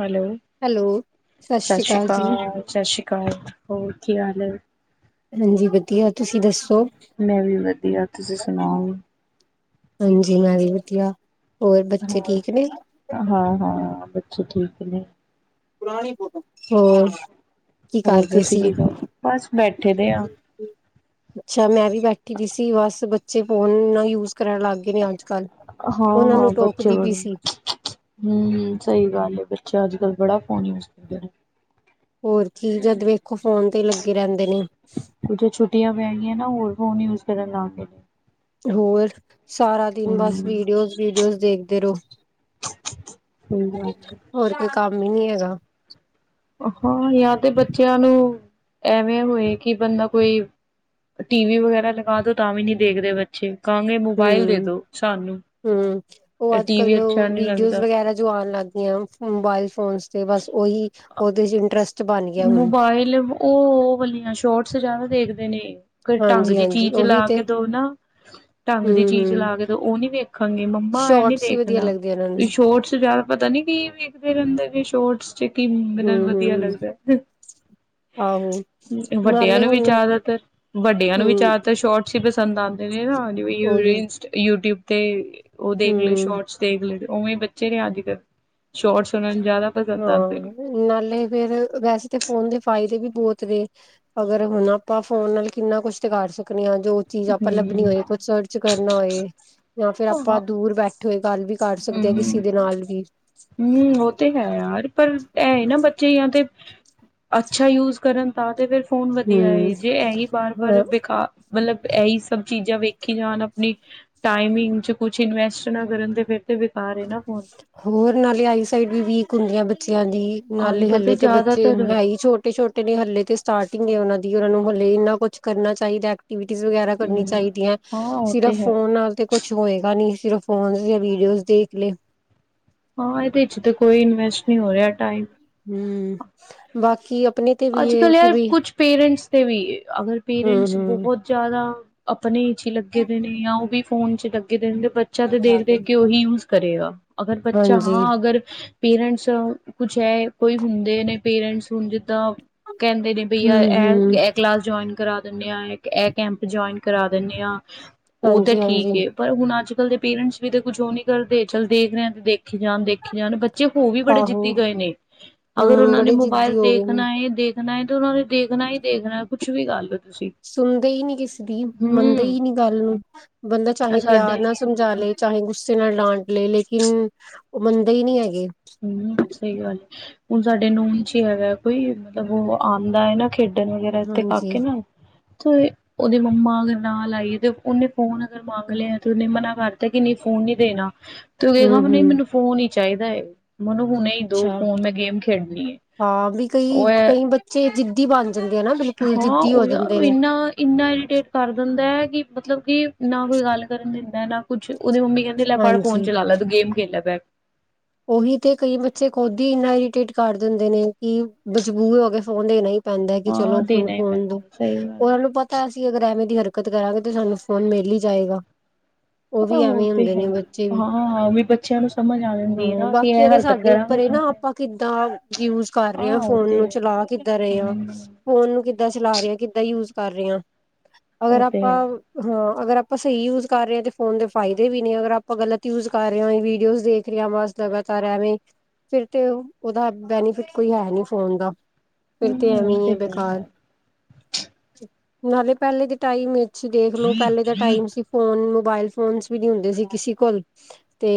Hello hello, ਸਤਿ ਸ੍ਰੀ ਸ਼੍ਰੀ ਜੀ, ਅਕਾਲ ਸਤਿ ਸ਼੍ਰੀ ਅਕਾਲ ਹੋਰ। ਕੀ ਹਾਲ ਹੈ? ਹਾਂਜੀ ਵਧੀਆ ਤੁਸੀਂ ਦੱਸੋ? ਮੈਂ ਵੀ ਵਧੀਆ ਤੁਸੀਂ ਸੁਣਾਓ? ਹਾਂਜੀ ਮੈਂ ਵੀ ਵਧੀਆ। ਹੋਰ ਹਾਂ ਬੱਚੇ ਜੀ ਠੀਕ ਨੇ? ਹਾਂ ਹਾਂ। ਅੱਛਾ ਠੀਕ ਨੇ। ਬੁਰਾ ਨਹੀਂ ਬੋਲਣਾ ਹੋ। ਕੀ ਹੋਰ ਕਰਦੇ ਤੁਸੀਂ ਸੀ ਕੀ ਕਰ ਬਸ ਬੈਠੇ ਦੇ ਆ। ਅੱਛਾ ਮੈਂ ਵੀ ਬੈਠੀ ਦੀ ਸੀ ਬਸ। ਬੇ ਫ਼ੋਨ ਨਾਲ ਯੂਜ ਕਰਨ ਲੱਗ ਗਏ ਨੇ ਅੱਜ, ਕੱਲ੍ਹ ਹਾਂ, ਹਾਂ ਬੱਚੇ ਵੱਲੋਂ ਹਮ ਸਹੀ ਗੱਲ ਹੈ ਬੱਚੇ ਅੱਜ, ਕੱਲ ਬੜੱਖ। ਫੋਨ ਹੋਰ ਕੀ ਜਦ ਵੇਖੋ ਫੋਨ ਤੇ ਲੱਗੇ ਰਹਿੰਦੇ ਨੇ, ਜੋ ਛੁੱਟੀਆਂ ਪੈ ਗਈਆਂ ਨਾ ਹੋਰ ਨਹੀਂ ਉਸ ਕਿ ਲਦੇ ਨੇ ਹੋਰ ਸਾਰਾ ਦਿਨ ਬਸ ਹੂੰ, ਵੀਡੀਓਜ਼, ਵੀਡੀਓਜ਼ ਦੇਖਦੇ ਰਹੋ। ਹਮ। ਹੋਰ ਕੋਈ ਕੰਮ ਹੀ ਨੀ ਹੈਗਾ। ਹਾਂ, ਯਾ ਤੇ ਬੱਚਿਆਂ ਨੂੰ ਐਵੇਂ ਹੋਏ ਕਿ ਬੰਦਾ ਕੋਈ ਟੀ ਵੀ ਵਗੈਰਾ ਲਗਾ ਦੋ ਤਾਂ ਵੀ ਨਹੀਂੀ ਦੇਖਦੇ ਬੱਚੇ ਕਹਾਂਗੇ ਮੋਬਾਇਲ ਦੇ ਹਮ, ਦੋ ਸਾਨੂੰ ਹਮ ਉਹ ਅੱਜ, ਟੀ ਕਲ ਵੀ ਅੱਛਾ ਨਹੀਂ ਵੀਡੀਓ ਲੱਗਦਾ ਵਗੈਰਾ ਜੋ ਆਉਣ ਲੱਗ ਗਈਆਂ ਮੋਬਾਇਲ ਫੋਨ ਤੇ ਬਸ ਉਹੀ ਉਹਦੇ ਚ ਇੰਟਰਸਟ ਬਣ ਗਿਆ ਹੁਣ ਮੋਬਾਇਲ ਉਹ ਵਾਲੀਆਂ ਸ਼ੋਰਟਸ ਜਿਆਦਾ ਦੇਖਦੇ ਜਨੇ ਢੰਗ ਹਾਂਜੀ ਦੀ ਹਾਂਜੀ ਚੀਜ਼ ਉਹੀ ਲਾ ਤੇ ਕੇ ਦੋ ਨਾ ਢੰਗ ਦੀ ਹਮ ਚੀਜ਼ ਹਮ ਲਾ ਕੇ ਦੋ ਉਹ ਨੀ ਵੇਖਾਂਗੇ ਮੰਮਾ ਇਹ ਨੀ ਸ਼ੋਰਟਸ ਹੀ ਵਧੀਆ ਦੇਖਣਾ ਲੱਗਦੇ ਇਹਨਾਂ ਨੂੰ ਛੋਟਸ ਜ਼ਿਆਦਾ ਪਤਾ ਨੀ ਕੀ ਵੇਖਦੇ ਰਹਿੰਦੇ। ਚੋਟਸ ਚ ਕੀ ਮੈਨਾਂ ਹਮ ਵਧੀਆ ਹਮ ਲੱਗਦਾ। ਆਹੋ ਵੱਡਿਆਂ ਨਾਲੇ ਨੂੰ ਵੀ ਹੁਣ ਜ਼ਿਆਦਾਤਰ ਵੱਡਿਆਂ ਨੂੰ ਵੀ ਹਮ ਜ਼ਿਆਦਾਤਰ ਸ਼ੋਰਟਸ ਹੀ ਪਸੰਦ ਆਉਂਦੇ ਨੇ ਨਾ ਉਹੀ ਯੂਟਿਊਬ ਤੇ ਉਹ ਦੇਖ ਲਏ ਹਮ ਸ਼ੋਰਟਸ ਦੇਖ ਲ ਉਵੇਂ ਬੱਚੇ ਨੇ ਅੱਜ, ਕੱਲ੍ਹ ਸ਼ੋਰਟਸ ਉਹਨਾਂ ਜ਼ਿਆਦਾ ਪਸੰਦ ਆਉਂਦੇ ਨੇ ਹਾਂ ਨਾਲੇ ਫੇਰ ਵੈਸੇ ਤਾਂ ਉਹ ਵੀ ਬਹੁਤ ਦੇ ਅਗਰ ਹੁਣ ਆਪਾਂ ਫੋਨ ਨਾਲ ਕਿੰਨਾ ਕੁਛ ਤੇ ਕਰ ਸਕਦੇ ਹਾਂ। ਜੋ ਚੀਜ਼ ਆਪਾਂ ਲੱਭਣੀ ਹਮ ਹੋਏ ਕੁਛ ਸਰਚ ਕਰਨਾ ਹੋਏ। ਜਾਂ ਫੇਿਰ ਹਾਂ ਆਪਾਂ ਦੂਰ ਬੈਠੇ ਹੋਏ ਗੱਲ ਵੀ ਕਰ ਸਕਦੇ ਹ ਕਿਸੇ ਹਮ ਦੇ ਨਾਲ ਵੀ ਹਮ ਉਹ ਤੇ ਹੈ। ਯਾਰ। ਪਰ ਇਹ ਨਾ ਬੱਚੇ ਜਾਂ। ਤੇ ਅੱਛਾ ਯੂਜ ਕਰਨ ਤਾਂ ਤੇ ਫਿਰ ਫੋਨ ਵਧੀਆ ਹੂੰ। ਏ ਜੇ ਇਹੀ ਬਾਰ ਵਾਰ ਬੇਕਾਰ ਮਤਲਬ ਇਹੀ ਸਭ ਚੀਜ਼ਾਂ ਵੇਖੀ ਜਾਣ ਆਪਣੀ ਟਾਈਮਿੰਗ ਚ ਕੁਛ ਇਨਵੈਸਟ ਨਾ ਕਰਨ ਤੇ ਫਿਰ ਤੇ ਬੇਕਾਰ ਏ ਨਾ। ਫੋਨ ਹੋਰ ਨਾਲੇ ਆਈ ਸਾਈਡ ਵੀ ਵੀਕ ਹੁੰਦੀਆਂ ਬੱਚੇ ਬੱਚਿਆਂ ਦੀ ਅੱਜ ਨਾਲੇ ਕੱਲ ਹੱਲੇ ਤੇ ਬੱਚੇ ਜ਼ਿਆਦਾਤਰ ਹੈ ਹੀ ਛੋਟੇ ਛੋਟੇ ਨੇ ਹੱਲੇ ਤੇ ਸਟਾਰਟਿੰਗ ਏ ਉਹਨਾਂ ਦੀ ਉਹਨਾਂ ਨੂੰ ਹਲੇ ਇੰਨਾ ਕੁਛ ਕਰਨਾ ਚਾਹੀਦਾ। ਟੀਵਿਟੀਜ਼ ਵਗੈਰਾ ਕਰਨੀਆਂ ਹੂੰ, ਚਾਹੀਦੀਆਂ ਹਾਂ ਉਹ ਤੇ ਸਿਰਫ ਹੈ ਫੋਨ ਨਾਲ ਤੇ ਕੁਛ ਹੋਏਗਾ ਨੀ। ਸਿਰਫ ਫੋਨ ਜਾਂ ਵੀਡੀਓਜ਼ ਦੇਖ ਲੈ। ਹਾਂ ਇਹਦੇ ਚ ਤਾਂ ਕੋਈ ਇਨਵੈਸਟ ਨੀ ਹੋ ਰਿਹਾ ਟਾਈਮ। ਹੂੰ ਬਾਕੀ ਅਪ ਅੱਜ ਕੱਲ ਯਾਰ ਕੁੱਛ ਪੇਰੈਂਟਸ ਤੇ ਵੀ ਅਗਰ ਪੇਰੈਂਟਸ ਹੂੰ-ਹੂੰ ਬਹੁਤ ਜ਼ਿਆਦਾ ਆਪਣੇ ਚ ਹੀ ਲੱਗੇ ਦੇ ਨੇ ਜਾਂ ਉਹ ਵੀ ਫੋਨ ਚ ਲੱਗੇ ਰਹਿੰਦੇ ਬੱਚਾ ਤੇ ਦੇਖ ਦੇਖ ਕੇ ਉਹੀ ਯੂਜ਼ ਕਰੇਗਾ ਅਗਰ ਬੱਚਾ ਹਾਂਜੀ। ਹਾਂ ਅਗਰ ਪੇਰੈਂਟਸ ਕੁਛ ਇਹ ਕੋਈ ਹੁੰਦੇ ਨੇ ਪੇਰੈਂਟਸ ਹੁਣ ਜਿੱਦਾਂ ਕਹਿੰਦੇ ਨੇ ਬਈ ਅ ਹੂੰ-ਹੂੰ ਏ ਇਹ ਕਲਾਸ ਜੁਆਇਨ ਕਰਾ ਦਿੰਦੇ ਹਾਂ ਇੱਕ ਇਹ ਕੈਂਪ ਜੁਆਇਨ ਕਰਾ ਦੀਣੇ ਹਾਂ। ਉਹ ਤਾਂ ਠੀਕ ਹਾਂਜੀ-ਹਾਂਜੀ ਏ ਪਰ ਹੁਣ ਅੱਜ ਕੱਲ ਦੇ ਪੇਰੈਂਟਸ ਵੀ ਤੇ ਕੁੱਛ ਉਹ ਨੀ ਕਰਦੇ ਚੱਲ ਦੇਖ ਰਹੇ ਤੇ ਦੇਖੇ ਜਾਣ ਦੇਖੇ ਜਾਣ ਬੱਚੇ ਚੇ ਹੋ ਵੀ ਬੜੇ ਆਹੋ ਜਿੱਦੀ ਗਏ ਨੇ ਅਗਰ ਹੂੰ ਉਹਨਾਂ ਨੇ ਬੜੇ ਮੋਬਾਇਲ ਜਿੱਦੀ ਹੋ ਗਏ ਨੇ। ਦੇਖਣਾ ਏ ਦੇਖਣਾ ਏ ਤੇ ਉਹਨਾਂ ਨੇ ਦੇਖਣਾ ਹੀ ਦੇਖਣਾ ਕੁਛ ਵੀ ਗੱਲ ਸੁਣਦੇ ਈ ਨੀ ਕਿਸੇ ਦੀ ਮੰਨਦੇ ਈ ਨੀ ਹੂੰ ਗੱਲ ਨੂੰ ਬੰਦਾ ਚਾਹੇ ਪਿਆਰ ਸਾਡੇ ਨਾਲ ਸਮਝਾ ਲਏ ਚਾਹੇ ਗੁੱਸਾ ਸੇ ਨਾਲ ਡਾਂਟ ਲਏ ਲੇਕਿਨ ਉਹ ਮੰਨਦੇ ਈ ਨੀ ਹੈਗੇ। ਹੂੰ ਸਹੀ ਗੱਲ ਏ ਹੁਣ ਸਾਡੇ ਨੂਨ ਚ ਹੀ ਹੈਗਾ ਕੋਈ ਮਤਲਬ ਉਹ ਆਉਂਦਾ ਏ ਨਾ ਖੇਡਣ ਵਗੈਰਾ ਇੱਥੇ ਹਾਂਜੀ ਕਾਕੇ ਨਾ ਤੇ ਉਹਦੇ ਮੰਮਾ ਅਗਰ ਨਾਲ ਆਈਏ ਤੇ ਉਹਨੇ ਫੋਨ ਅਗਰ ਮੰਗ ਲਿਆ ਤੇ ਉਹਨੇ ਮਨਾ ਕਰਤਾ ਕਿ ਨਈ ਫੋਨ ਨੀ ਦੇਣਾ। ਤੂੰ ਦੇਖਨਾ ਹੂੰ ਉਹ ਨੇ ਹੂੰ ਮੈਨੂੰ ਫੋਨ ਈ ਚਾਹੀਦਾ ਏ। ਮੈਨੂੰ ਹੁਣੇ ਈ ਦੋ ਅੱਛਾ ਫੋਨ ਮੈਂ ਗੇਮ ਖੇਡਣੀ ਹੈ ਹਾਂ ਵੀ ਕਈ ਉਹ‌ ਏ, ਕਈ ਬੱਚੇ ਜਿੱਦੀ ਬਣ ਜਾਂਦੇ ਆ ਨਾ ਬਿਲਕੁਲ ਹਾਂ ਜਿੱਦੀ ਹੋ ਉਹ ਯਾਰ ਜਾਂਦੇ ਨੇ ਇਨਾ ਇੰਨਾ ਇਰੀਟੇਟ ਕਰ ਦਿੰਦਾ ਏ ਕਿ ਮਤਲਬ ਕਿ ਨਾ ਕੋਈ ਗੱਲ ਕਰਨ ਦੇ ਨਾ ਕੁੱਛ ਉਹਦੀ ਮੰਮੀ ਕਹਿੰਦੀ ਲੈ ਫੜ ਫੋਨ ਹਾਂਜੀ ਚਲਾ ਲੈ ਤੂੰ ਗੇਮ ਖੇਲੈ ਪੈਲਾ ਉਹੀ ਤੇ ਕਈ ਬੱਚੇ ਖੁਦ ਹੀ ਇੰਨਾ ਹੀ ਟਿਟ ਕਰ ਦਿੰਦੇ ਨੇ ਕਿ ਮਜਬੂਰ ਹੋ ਕੇ ਫੋਨ ਦੇਣਾ ਹੀ ਪੈਂਦਾ ਕਿ ਹਾਂ ਚਲੋ ਹੁਣ ਦੇਣਾ ਹੀ ਫੋਨ ਦੋ ਪੈਂਦਾ ਸਹੀ ਗੱਲ ਉਹਨਾਂ ਏ। ਨੂੰ ਪਤਾ ਅ ਸੀ ਅਗਰ ਐਵੇਂ ਦੀ ਹਰਕਤ ਕਰਾਂਗੇ ਤੇ ਸਾਨੂੰ ਫ਼ੋਨ ਮਿਲ ਹੀ ਜਾਏਗਾ। ਉਹ ਵੀ ਆਹੋ ਐਵੇਂ ਤੇ ਹੁੰਦੇ ਹੈ ਨੇ ਹੀ ਹਾਂ ਵੀ ਬੱਚਿਆਂ ਨੂੰ ਸਮਝ ਆਂ ਹੂੰ ਬਾਕੀ ਇਹ ਤੇ ਸਾਡੇ ਉੱਪਰ ਨਾ ਆਪਾਂ ਕਿੱਦਾਂ ਯੂਜ ਕਰ ਰਹੇ ਹਾਂ ਉਹ ਫੋਨ ਤੇ ਨੂੰ ਚਲਾ ਕਿੱਦਾਂ ਰਹੇ ਹਾਂ ਹਮ ਫੋਨ ਨੂੰ ਕਿੱਦਾਂ ਚਲਾ ਰਹੇ ਕਿੱਦਾਂ ਯੂਜ ਕਰ ਰਹੇ ਆ। ਅਗਰ ਉਹ ਤੇ ਆਪਾਂ ਹੈ ਹਾ ਅਗਰ ਆਪਾਂ ਸਹੀ ਯੂਜ ਕਰ ਰ ਹਾਂ ਫੋਨ ਦੇ ਫਾਇਦੇ ਵੀ ਨੇ ਅਗਰ ਆਪਾਂ ਗਲਤ ਯੂਜ ਕਰ ਰਹੇ ਹਾਂ ਵੀਡੀਓਜ਼ ਦੇਖ [inaudible] ਵਾਸ ਲਗਾਤਾਰ ਐਵੇਂ ਫਿਰ ਤੇ ਉਹਦਾ ਬੈਨੀਫਿਟ ਕੋਈ ਹੈ ਨੀ ਫੋਨ ਦਾ ਫਿਰ ਤੇ ਹਮ ਉਹ ਐਵੀਂ ਮ ਇਹ ਹੈ ਬੇਕਾਰ ਨਾਲੇ ਪਹਿਲੇ ਦੀ ਟਾਈਮ ਦੇਖਲੋ ਪਹਿਲੇ ਦਾ ਟਾਈਮ ਸੀ ਫੋਨ ਮੋਬਾਇਲ ਫੋਨਸ ਵੀ ਨ ਹੁੰਦੇ ਸੀ ਕਿਸੇ ਕੋਲ ਤੇ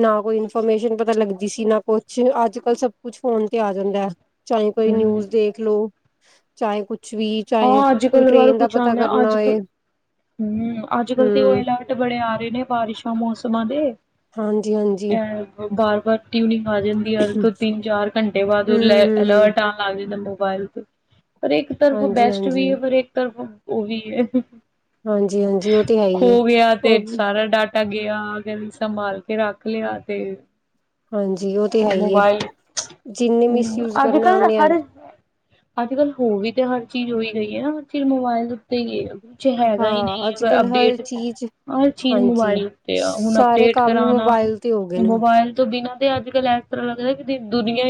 ਨਾ ਕੋਈ ਇਨਫੋਰਮੇਸ਼ਨ ਪਤਾ ਲੱਗਦੀ ਸੀ ਨਾ ਕੁਛ ਅੱਜ ਕਲ ਸਭ ਕੁਛ ਫੋਨ ਤੇ ਆ ਜਾਂਦਾ ਹੈ। ਚਾਹੇ ਕੋਈ ਹਮ ਨਿਊਜ਼ ਦੇਖ ਲਓ। ਚਾਹੇ ਕੁਛ ਵੀ ਚਾਹੇ ਹਾਂ ਅੱਜ ਕੋਈ ਕੱਲ ਵਾਰ ਟ੍ਰੇਨ ਦਾ ਕੁਛ ਪਤਾ ਆਦਾ ਕਰਨਾ ਅੱਜ ਕਲ ਹੋਏ ਹੂੰ ਅੱਜ ਕੱਲ ਤੇ ਉਹ ਹਮ ਅਲਰਟ ਬੜੇ ਆ ਰਹੇ ਬਾਰਿਸ਼ਾਂ ਮੌਸਮਾਂ ਦੇ ਹਾਂਜੀ ਹਾਂਜੀ [unintelligible] ਵਟੀ ਨੀ। ਆ ਜਾਂਦੀ ਯਰ ਹਮ ਤੋਂ ਤਿੰਨ ਚਾਰ ਘੰਟੇ ਬਾਅਦ ਹਮ ਅਲਰਟ ਆਉਣ ਲੱਗ ਜਾਂਦਾ ਮੋਬਾਇਲ ਤੇ ਹਾਂਜੀ ਬੈਸਟ ਵੀ ਹਾਂਜੀ ਹੈ ਪਰ ਇੱਕ ਤਰਫ ਉਹ ਵੀ ਹੈ। ਹਾਂਜੀ ਹਾਂਜੀ ਉਹ ਤੇ ਹੈ ਹੀ ਹੈ ਖੋ ਗਿਆ ਤੇ ਉਹ ਸਾਰਾ ਡਾਟਾ ਗਿਆ ਸੰਭਾਲ ਕੇ ਰੱਖ ਲਿਆ ਤੇ ਹਾਂਜੀ ਉਹ ਤੇ ਹੈ ਹੀ ਏ। ਮੋਬਾਇਲ ਜਿੰਨੇ ਹੂੰ ਮਿਸਯੂਜ ਅੱਜ ਕਰਨਾ ਕੱਲ ਉਹਨੇ ਹਰ ਅੱਜ ਕੱਲ ਹੋ ਵੀ ਤੇ ਹਰ ਚੀਜ਼ ਹੋਈ ਗਈ ਹੈ ਨਾ ਚਿਰ ਮੋਬਾਇਲ ਦੇ ਉੱਤੇ ਗਏ ਆ। ਹੈਗਾ ਹੀ ਹਾਂ ਨਹੀਂ ਅੱਜ ਅਗ ਕੱਲ ਹਰ ਅਪਡੇਟ ਚੀਜ਼ ਹਰ ਚੀਜ਼ ਹਾਂਜੀ ਮੋਬਾਇਲ ਤੇ ਆ ਹੁਣ ਸਾਰੇ ਅਪਡੇਟ ਕੰਮ ਕਰਾਣਾ ਮੋਬਾਇਲ ਤੇ ਹੋ ਗਏ ਨੇ ਮੋਬਾਇਲ ਤੋਂ ਬਿਨਾਂ ਤੇ ਅੱਜ ਗੱਲ ਇਸ ਤਰ੍ਹਾਂ ਲੱਗਦਾ ਕਿ ਦੁਨੀਆਂ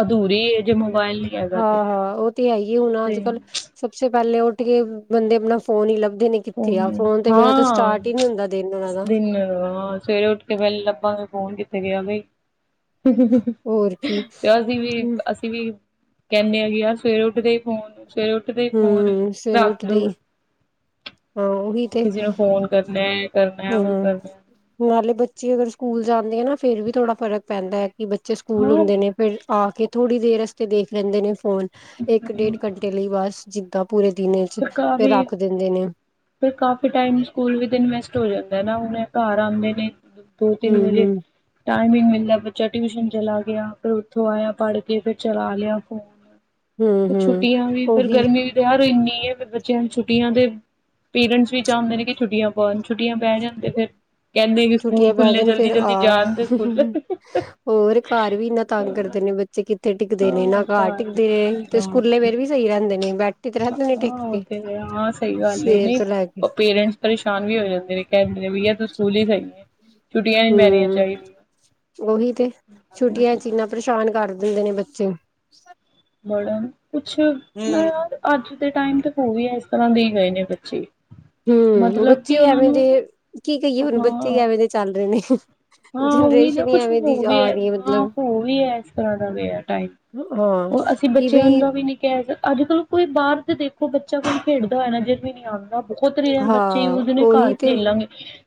ਅਧੂਰੀ ਹੈ ਜੇ। ਮੋਬਾਇਲ ਨਹੀਂ ਹੈਗਾ ਤੇ ਹਾਂ ਹਾਂ ਉਹ ਤੇ ਹੈ ਹੁਣ ਅੱਜ ਤੇ ਕੱਲ੍ਹ ਸਭਸੇ। ਪਹਿਲੇ ਉੱਠ ਕੇ ਬੰਦੇ ਆਪਣਾ ਫੋਨ ਹੀ ਲ। ਉਹ ਨੌ ਹਾਂ ਹੁੰਦਾ ਦਿਨ ਉਹਨਾਂ ਦਾ। ਦਿਨ ਹਾਂ ਸਵੇਰੇ ਉੱਠ ਕੇ ਪਹਿਲੇ ਲੱਭਾਂਗੇ। ਫੋਨ ਕਿੱਥੇ ਗਿਆ ਬਈ। ਹੋਰ ਕੀ ਤੇ ਅਸੀਂ ਵੀ ਅਸੀਂ ਵੀ। ਕਹਿੰਦੇ ਆਗੇ ਵੀ ਆ ਸਵੇਰੇ ਉੱਠਦੇ। ਫੋਨ ਸਵੇਰੇ ਉੱਠਦੇ ਹੀ ਫੋਨ ਹੂੰ ਸਵੇਰੇ ਰੱਖ ਉੱਠਦੇ ਦਓ। ਹੀ ਹਾਂ ਉਹੀ ਤੇ ਕਿਸੇ ਨੂੰ ਫੋਨ ਕਰਨਾ ਕਰਨਾ ਹਾਂ ਉਹ ਕਰਨਾ। ਨਾਲੇ ਬੱਚੇ ਅਗਰ ਸਕੂਲ ਜਾਂਦੇ ਆ ਨਾ ਫਿਰ ਵੀ ਥੋੜ੍ਹਾ ਫਰਕ ਪੈਂਦਾ ਹੈ। ਕਿ ਬੱਚੇ ਸਕੂਲ ਹਾਂ ਹੁੰਦੇ ਨੇ ਫਿਰ। ਆ ਕੇ ਥੋੜ੍ਹੀ ਦੇਰ ਰਸਤੇ ਦੇਖ ਲੈਂਦੇ ਨੇ। ਫੋਨ ਇੱਕ ਡੇਢ ਘੰਟੇ ਲਈ ਬਸ। ਜਿੱਦਾਂ। ਪੂਰੇ ਦਿਨ ਚ ਫਿਰ ਰੱਖ ਦਿੰਦੇ ਨੇ। ਫੇਰ ਕਾਫੀ ਟਾਈਮ ਸਕੂਲ ਵੀ ਦਿਨ ਵੈਸਟ ਹੋ ਜਾਂਦਾ ਨਾ ਹੁਣੇ ਇਹ ਘਰ ਆਉਂਦੇ ਨੇ। ਦੋ ਤਿੰਨ ਵਜੇ। ਹੂੰ-ਹੂੰ, ਟਾਈਮ ਹੀ ਨਹੀਂ ਮਿਲਦਾ ਬੱਚਾ ਟਿਊਸ਼ਨ ਚਲਾ ਗਿਆ ਫਿਰ ਉੱਥੋਂ ਆਇਆ ਪੜ੍ਹ ਕੇ ਫਿਰ ਚਲਾ ਲਿਆ ਫੋਨ। ਫੇਰ ਹੂੰ-ਹੂੰ ਛੁੱਟੀਆਂ ਵੀ ਫੇਰ ਉਹੀ ਗਰਮੀ ਯਾਰ ਇੰਨੀ। ਬੱਚਿਆਂ ਛੁੱਟੀਆਂ ਦੇ ਪੇਰੈਂਟਸ ਵੀ ਚਾਹੁੰਦੇ ਨੇ ਕਿ ਛੁੱਟੀਆਂ ਪਾਉਣ ਛੁੱਟੀਆਂ ਪੈ ਜਾਣ ਤੇ ਫੇਰ। ਛੁੱਟੀਆਂ ਪੈ ਜਾਣ ਫੇਰ ਆ ਜਾਣ ਤੇ ਸਕੂਲ ਹੋਰ ਘਰ ਵੀ ਇੰਨਾ ਤੰਗ ਕਰਦੇ ਨੇ ਬੱਚੇ ਕਿੱਥੇ? ਟਿੱਕਦੇ ਨੇ ਨਾ ਘਰ ਟਿੱਕਦੇ ਨੇ ਤੇ ਸਕੂਲੇ ਫੇਰ ਵੀ ਸਹੀ ਰਹਿੰਦੇ ਨੇ। ਨਹੀਂ। ਹਾਂ ਉਹ ਤੇ ਹਾਂ ਸਹੀ ਗੱਲ ਸਵੇਰ ਨਹੀਂ ਤੋਂ ਲੈ ਕੇ ਪੇਰੈਂਟਸ ਪਰੇਸ਼ਾਨ ਵੀ ਹੋ ਜਾਂਦੇ ਨੇ ਕਹਿੰਦੇ ਨੇ ਬਈਆ ਤੁਸੀਂ। ਮੂਲੀ ਖਾਈਏ। ਹੂੰ ਉਹੀ ਤੇ ਛੁੱਟੀਆਂ ਚ ਇੰਨਾ ਪਰੇਸ਼ਾਨ ਕਰਦੇ? ਦਿੰਦੇ ਨੇ ਬੱਚੇ। ਬੜਾ ਕੁੱਛ ਨਾ ਯਾਰ ਅੱਜ। ਟਾਈਮ ਤੇ ਹੋ ਵੀ ਇਸ ਤਰ੍ਹਾਂ ਦੇ ਗਏ ਨੇ ਬੱਚੇ। ਹੂੰ ਮਤਲਬ ਕਿ ਬੱਚੇ ਉਹਨਾਂ ਐਵੇਂ ਦੇ ਨੂੰ ਕੀ ਕਹੀਏ ਹੁਣ ਹਾਂ ਬੱਚੇ ਐਵੇਂ ਦੇ ਚੱਲ ਰਹੇ ਨੇ। ਹਾਂ ਉਹੀ ਨਾ ਜਨਰੇਸ਼ਨ ਹੀ ਕੁਛ ਐਵੇਂ ਹੋ ਦੀ ਵੀ ਆ ਹੈ ਰਹੀ ਹਾਂ ਮਤਲਬ ਹੋ ਵੀ ਹੈ ਇਸ ਤਰ੍ਹਾਂ ਦਾ ਗਈਆ ਟਾਈਮ ਹਾਂ ਉਹ ਅਸੀਂ ਕਿ ਬੱਚਿਆਂ ਬਈ ਦਾ ਵੀ ਨਹੀਂ। ਅੱਜ ਕੱਲ ਕੋਈ ਬਾਹਰ ਤੇ ਦੇਖੋ ਬੱਚਾ ਕੋਣ ਖੇਡਦਾ ਹੋਇਆ ਨਾ ਜਾ ਕੋਈ ਨਿਆਣਾ। ਖੁਦ ਰੇਅਰ ਬੱਚੇ ਹਾਂ ਉਸ ਦਿਨ ਘਰ ਉਹੀ ਤੇ ਖੇਲਾਂਗੇ।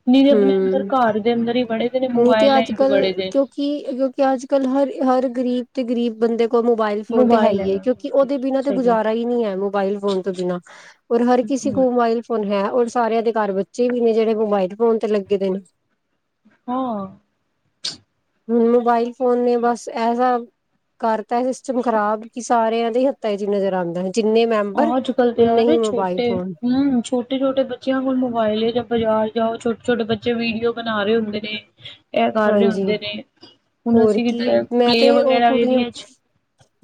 ਨ ਦੇ ਆਪਣੇ ਅੰਦਰ ਹੂੰ ਘਰ ਦੇ ਸ੍ਰਰੇ ਪੜ ਨਹੀਂ ਤੇ ਅੱਜ ਕੱਲ ਕਿਉਂਕਿ ਕਿਉਂਕਿ ਅੱਜ ਕੱਲ ਹਰ ਹਰ ਗ਼ਰੀਬ ਤੇ ਗਰੀਬ ਬੰਦੇ ਮੋਬਾਇਲ ਫੋਨ ਤੇ ਹੈ ਮੋਬਾਇਲ ਹੀਏ ਹੈਗਾ ਕਿਉਂਕਿ ਉਹਦੇ ਬਿਨਾਂ ਤੇ ਸਹੀ ਗੁਜ਼ਾਰਾ ਹੀ ਨਹੀਂੀ ਹੈ ਮੋਬਾਇਲ ਫੋਨ ਤੋਂ ਬਿਨਾ ਔਰ ਹਰ ਕਿਸੇ ਗੱਲ ਕੋਲ ਮੋਬਾਇਲ ਫੋਨ ਹੈ ਉਹਰ ਸਾਰਿਆਂ ਦੇ ਘਰ ਬੱਚੇ ਵੀ ਨੇ ਜਿਹੜੇ ਮੋਬਾਇਲ ਫੋਨ ਤੇ ਲੱਗੇ ਦੇ ਨੇ ਹਾਂ ਹੁਣ ਮੋਬਾਇਲ ਫੋਨ ਨੇ ਬਸ ਐਸਾ ਕਰਤਾ ਸਿਸਟਮ ਖ਼ਰਾਬ ਕਿ ਸਾਰਿਆਂ ਦੇ ਹੀ ਹੱਥਾਂ ਚ ਨਜ਼ਰ ਆਉਂਦਾ ਜਿੰਨੇ ਮੈਂਬਰ ਅੱਜ ਕੱਲ ਤੇ ਉਨੇ ਯਾਰ ਹੀ ਮੋਬਾਇਲ ਛੋਟੇ ਫੋਨ ਹਮ ਛੋਟੇ ਛੋਟੇ ਬੱਚਿਆਂ ਕੋਲ ਮੋਬਾਈਲੇ ਜਾਂ ਬਾਜ਼ਾਰ ਜਾਓ ਛੋਟੇ ਛੋਟੇ ਬੱਚੇ ਵੀਡੀਓ ਬਣਾ ਰਹੇ ਹੁੰਦੇ ਨੇ ਇਹ ਕਰ ਰਹੇ ਹਾਂਜੀ ਹੁੰਦੇ ਨੇ ਹੁਣ ਹੋਰ ਅਸੀਂ ਕੀ ਕਿਤੇ ਮੈਂ ਪਲੇ ਤੇ ਉਹ ਵਗੈਰਾ ਕੁੜੀਆਂ ਏਰੀਆ ਚ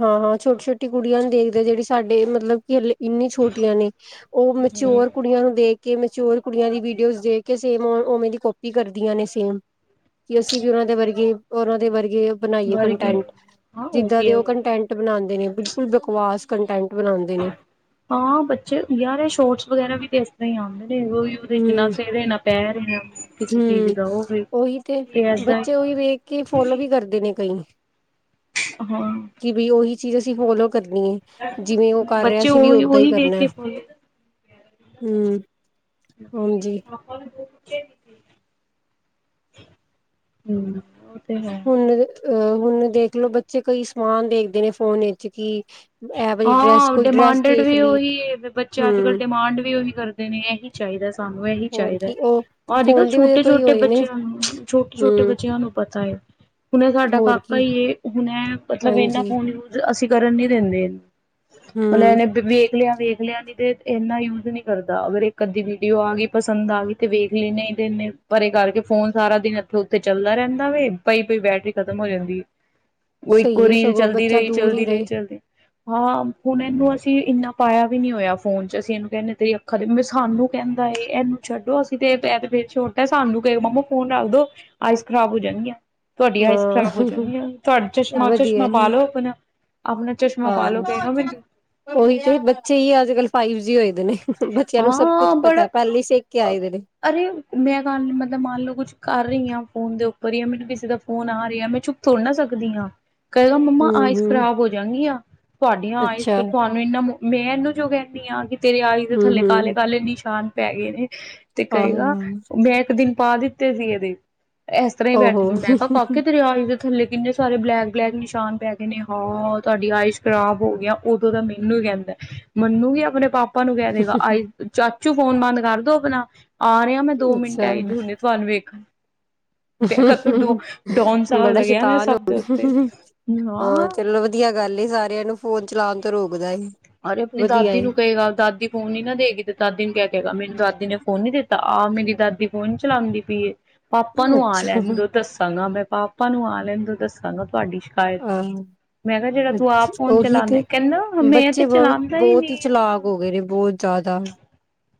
ਹਾਂ ਹਾਂ ਛੋਟੀ ਛੋਟੀ ਕੁੜੀਆਂ ਨੂੰ ਦੇਖਦੇ ਜਿਹੜੀ ਸਾਡੇ ਮਤਲਬ ਮਤਬਲ ਕੀ ਹਲੇ ਇੰਨੀ ਛੋਟੀਆਂ ਨੇ ਉਹ ਮਚੋਰ ਕੁੜੀਆਂ ਨੂੰ ਦੇਖ ਕਿ ਮਚਰ ਕੁੜੀਆਂ ਦੀ ਵੀਡੀਓ ਦੇ ਕੇ ਸੇਮ ਉਵੇਂ ਦੀ ਕਪੀ ਕਰਦੀਆਂ ਨੇ ਸੇਮ ਕਿ ਅਸੀਂ ਵੀ ਉਹਨਾਂ ਦੇ ਵਰਗੇ ਉਹਨਾਂ ਦੇ ਵਰਗੇ ਬਣਾਈਏ ਵਰ ਗਏ ਕੰਟੈਂਟ ਹਾਂ ਜਿੱਦਾਂ ਵੀ ਦੇ ਹੈ ਉਹ ਵੀ ਕੰਟੈਂਟ ਬਣਾਉਂਦੇ ਨੇ ਬਿਲਕੁਲ ਬਕਵਾਸ ਕੰਟੈਂਟ ਬਣਾਉਂਦੇ ਨੇ ਹਾਂ ਬੱਚੇ ਯਾਰ ਸ਼ੋਰਟਸ ਵਗੈਰਾ ਵੀ ਦੇ ਆਉਂਦੇ ਨਹੀਂ ਦਿ ਨਾ ਸੇਰੇ ਨਾ ਪੈਰ ਕਿਸੇ ਹਮ ਚੀਜ਼ ਦਾ ਉਹ ਵੀ ਉਹੀ ਤੇ ਏਦਾਂ ਬੱਚੇ ਉਹੀ ਹੀ। ਵੇਖ ਕੇ ਫੋਲੋ ਵੀ ਕਰਦੇ ਨੇ ਕਈ ਹਾਂ ਜੀ ਤੁਸੀਂ ਫੋਲੋ ਕਰਨੀ ਹੈ ਜਿਵੇਂ ਉਹ ਕਰ ਰਿਹਾ ਬੱਚੇ ਸੀ ਵੀ ਉਹੀ ਓਦਾਂ ਹੀ ਉਹੀ ਵੇਖ ਕਰਨਾ ਹੈ ਕੇ ਹਮ ਮ ਹਮ ਤੇ ਹੈ ਹੁਣ ਅਹ ਹੁਨ ਦੇਖਲੋ ਬੱਚੇ ਕਈ ਸਮਾਨ ਦੇਖਦੇ ਨੇ ਫੋਨ ਵਿੱਚ ਕਿ ਇਹ ਵਾਲੀ ਡਰੈਸ ਹਾਂ ਕੋਈ ਡਰੈਸ ਡਿਮਾਂਡਡ ਦੇਖ ਵੀ ਲਈ ਉਹੀ ਬੱਚੇ ਅੱਜ ਕੱਲ ਹਮ ਡਿਮਾਂਡ ਵੀ ਉਹੀ ਕਰਦੇ ਦੇ ਨੇ ਇਹੀ ਚਾਹੀਦਾ ਸਾਨੂੰ ਇਹੀ ਹੋਰ ਚਾਹੀਦਾ ਹੈ ਕੀ ਉਹ ਅੱਜ ਕੱਲ੍ਹ ਫੋਨ ਦੀ ਵਜ੍ਹਾ ਛੋਟੇ ਤੋਂ ਹੀ ਛੋਟੇ ਹੋਏ ਨੇ ਬੱਚਿਆਂ ਛੋਟੇ ਛੋਟੇ ਹਮ ਬੱਚਿਆਂ ਨੂੰ ਪਤਾ ਹੈ ਹੁਣੇ ਸਾਡਾ ਹੋਰ ਕਾਕਾ ਕੀ ਹੁਣ ਮਤਲਬ ਇਨਾ ਹਾਂਜੀ ਫੋਨ ਯ ਅਸੀਂ ਕਰਨ ਦਿੰਦੇ। ਮਤਲਬ ਹਮ ਇਹਨੇ ਦੇਖ ਲਿਆ ਵੇਖ ਲਿਆ ਨ ਤੇ ਇਨਾ ਯੂਜ ਨੀ ਕਰਦਾ ਅਗਰ ਇੱਕ ਅੱਧੀ ਵੀਡੀਓ ਆ ਗਈ ਪਸੰਦ ਆ ਗਈ ਤੇ ਵੇਖ ਲ ਨਹੀਂ ਤੇਨੇ ਪਰ ਇਹ ਕਰਕੇ ਫੋਨ ਸਾਰਾ ਦਿਨਥੇ ਉਥੇ ਚੱਲਦਾ ਰਹਿੰਦਾ ਵ ਪਾਈ ਪ ਬੈਟਰੀ ਖਤਮ ਹੋ ਜਾਂਦੀ। ਉਹ ਇੱਕੋ ਸਹੀ ਹੈ ਰੀਲ ਸਗੋਂ ਚਲਦੀ ਬੱਚਾ ਰਹੀ ਦੂਰ ਹੀ ਚਲਦੀ ਰਹੀ ਰਹੇ ਚੱਲਦੀ। ਹਾਂ ਹੁਣ ਇਹਨੂੰ ਅਸੀਂ ਇੰਨਾ ਪਾਇਆ ਵੀ ਨੀ ਹੋਇਆ ਫੋਨ ਚ ਅਸੀਂ ਇਹਨੂੰ ਕਹਿੰਦੇ ਤੇਰੀ ਅੱਖਾਂ ਦੇ ਸਾਨੂੰ ਕਹਿੰਦਾ ਇਹਨੂੰ ਛੱਡੋ ਅਸੀਂ ਤੇ ਫ ਛੋਟਾ ਸਾਨੂੰ ਕ ਮਾਮਾ ਫੋਨ ਰੱਖ ਦੋ ਆਈਸ ਖਰਾਬ ਹੋ ਜਾਣੀਆਂ। ਤੁਹਾਡੀ ਆਇਸ ਖ਼ਰਾਬ ਹੋ ਹਾਂ ਜਾਂਦੀ ਹੈ ਤੁਹਾਡਾ ਚਸ਼ਮਾ ਵਧੀਆ ਚਸ਼ਮਾ ਪਾ ਲਓ ਆਪਣਾ ਆਪਣਾ ਪਾ ਹਾਂ ਲੋ ਕਹੇਗਾ ਮੈਨੂੰ ਉਹੀ ਤੇ ਬੱਚੇ ਹੀ ਅੱਜ ਕਲ ਫਾਈਵ ਜੀ ਹੋਏ ਦੇ ਨੇ ਬੱਚਿਆਂ ਨੂੰ ਸਭ ਕੁਛ ਹਾਂ ਪਤਾ ਬੜਾ ਪਹਿਲੀ ਸਿੱਕ ਕੇ ਆਏ ਨੇ। ਅਰੇ ਮੈਂ ਗੱਲ ਮਤਲਬ ਮੰਨ ਲਓ ਕੁਛ ਕਰ ਰਹੀ ਹਾਂ ਫੋਨ ਦੇ ਉੱਪਰ ਜਾਂ ਮੈਨੂੰ ਕਿਸੇ ਦਾ ਫੋਨ ਆ ਰਿਹਾ ਮੈਂ ਚੁੱਪ ਥੋੜ੍ਹ ਨਾ ਸਕਦੀ ਹਾਂ। ਕਗਾ ਮੰਮਾ ਹਮ ਆਈਸ ਹਮ ਖਰਾਬ ਹੋ ਜਾਗੀ ਆ। ਤੁਹਾਡੀਆਂ ਆਈ ਅੱਛਾ ਫਿਰ ਤੁਹਾਨੂੰ ਇੰਨਾ ਮੈਂ ਇਹਨੂੰ ਜੋ ਕਹਿੰਦੀ ਹਾਂ ਕਿ ਤੇਰੇ ਆਈ ਦੇ ਹਮ ਥੱਲੇ ਕਾਹੇ ਹਮ ਕਾਹਾਲੇ ਨਿਸ਼ਾਨ ਪੈ ਗਏ ਨੇ। ਤੇ ਕਰੇਗਾ ਆਹੋ ਮੈਂ ਇੱਕ ਦਿਨ ਪਾਦਤੇ ਸੀ ਦੇ ਇਸ ਤਰ੍ਹਾਂ ਹੀ ਆਹੋ ਬੈਠੇ ਹੋ ਮੈਂ ਕਿਹਾ ਓਹੋ ਕਾਕੇੀ ਤੇ ਆ ਦੇ-' ਥੱਲੇ ਕਿੰਨੇ ਸਾਰੇ ਬਲੈਕ ਬਲੈਕ ਨਿਸ਼ਾਨ ਪੈ ਕੇ ਨੇ ਹਾਂ ਤੁਹਾਡੀ ਆਇ ਖਰਾਬ ਹੋ ਗਿਆ ਉਦੋਂ ਤਾਂ ਮੈਨੂੰ ਹੀ ਕਹਿੰਦਾ ਮੈਨੂੰ ਵੀ ਆਪਣੇ ਪਾਪਾ ਆਪਾਂ ਨੂੰ ਕਹਿ ਦੇਗਾ ਆ। ਚ ਫੋਨ ਬੰਦ ਕਰਦੋ ਆਪਣਾ ਆ ਰਿਹਾ ਮੈਂ ਦੋ ਮਿੰਟ ਅੱਛਾ ਆਈ ਜ ਹੁੰਦੀ ਤੁਹਾਨੂੰ ਵੇਖਣ। ਦੇਖਾ ਤੂੰ ਡੋ ਡੋਨ ਸਾਹਿਬ ਬੜਾ ਲੱਗਿਆ ਨਾ ਸ਼ੈਤਾਨ ਸਭ ਹੋ ਦੇ ਉੱਤੇ ਹਾਂ ਚਲੋ ਵਧੀਆ ਗੱਲ ਸਾਰੀ। ਬਿਆਂ ਨੂੰ ਫੋਨ ਚਲਾਉਣ ਤੋਂ ਰੋਕਦਾ ਸੀ। ਅਰੇ ਆਪਣੀ ਦਾਦੀ ਨੂੰ ਕਹੇਗਾ ਦਾਦੀ ਫੋਨ ਨ ਨਾ ਦੇਗੀ ਤੇ ਦਾਦੀ ਨੂੰ ਕਿਆ ਕਹੇਗਾ ਮੈਨੂੰ ਦਾਦੀ ਨੇ ਫੋਨ ਨੀ ਦਿੱਤਾ ਆਹ ਮੇਰੀ ਦਾਦੀ ਫੋਨ ਨੀ ਚਲਾਉਂਦੀ ਪਈਏ। ਪਾਪਾ ਨੂੰ ਆ ਅੱਛਾ ਲੈਣ ਦੋ ਦੱਸਾਂਗਾ ਮੈਂ ਪਾਪਾ ਨੂੰ ਆ ਲੈਣ ਦੋ ਦੱਸਾਂ ਗਾ ਤੁਹਾਡੀ ਆਹ ਮੈਂ ਕਿਹਾ ਜਿਹੜਾ ਤੂੰ ਆਪ ਅੱਛਾ, ਫਨ ਉਹੀ ਚਲਾਉੇ ਤੇ ਕਹਿੰਦਾ ਹ ਮੈਂ ਤੇ ਬੱਚੇ ਬਹੁਤ ਚਲਾਉਂਦਾ ਬਹੁਤ ਹੀ ਨਹੀਂ ਆ ਚਲਾਕ ਹੋ ਗਏ ਨੇ ਬਹੁਤ ਜ਼ਿਆਦਾ।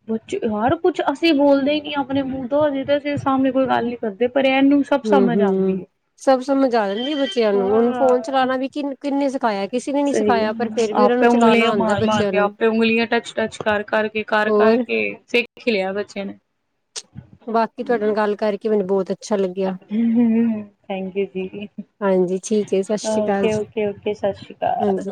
ਬੱਚੇ ਹਰ ਕੁਛ ਅਸੀਂ ਬੋਲਦੇ ਹੀ ਨਹੀਂ ਆਪਣੇ ਮੂੰਹ ਤੋਂ ਹਜੇ ਤਾਂ ਅਸੀਂ ਸਾਹਮਣੇ ਕੋਈ ਗੱਲ ਨੀ ਕਰਦੇ। ਪਰ ਇਹਨੂੰ ਸਭ ਹੂੰ, ਸਮਝ ਆਉਂਦੀ ਹੂੰ। ਸਭ ਸਮਝ ਆ ਜਾਂਦੀ ਬੱਚਿਆਂ ਹੈ ਨੂੰ। ਹੁਣ ਫੋਨ ਹਾਂ ਚਲਾਉਣਾ ਵੀ ਕਿਨ ਕਿੰਨੇ ਸਿਖਾਇਆ ਕਿਸੇ ਨੇ ਨੀ ਸਹੀ ਹੈ ਸਿਖਾਇਆ ਪਰ ਫਿਰ ਵੀ ਉਹਨਾਂ ਆਪੇ ਨੂੰ ਚਲਾਉਣਾ। ਉਂਗਲੀਆਂ ਆਉਂਦਾ ਮਾਰ ਮਾਰ ਬੱਚਿਆਂ ਕੇ ਨੂੰ ਆਪੇ ਉਂਗਲੀਆਂ ਟੱਚ ਟੱਚ ਕਰ ਕਰਕੇ ਕਰ ਹੋਰ ਕਰਕੇ ਸਿੱਖ ਲਿਆ ਬੱਚੇ ਨੇ। ਬਾਕੀ ਤੁਹਾਡੇ ਨਾਲ ਗੱਲ ਕਰਕੇ ਮੈਨੂੰ ਬਹੁਤ ਅੱਛਾ ਲੱਗਿਆ ਥੈਂਕ ਯੂ ਜੀ। ਹਾਂਜੀ ਠੀਕ ਹੈ ਸਤਿ ਸ੍ਰੀ ਅਕਾਲ ਓਕੇ, ਜੀ ਓਕੇ, ਓਕੇ। ਸਤਿ ਸ਼੍ਰੀ ਅਕਾਲ। ਹਾਂਜੀ